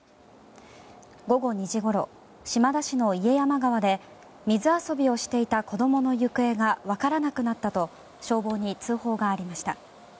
午後２時ごろ、島田市の家山川で水遊びをしていた子供の行方が分からなくなったと消防に通報がありました。